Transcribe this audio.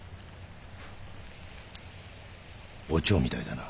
お蝶みたいだな。